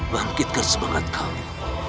bangkitkan semangat kamu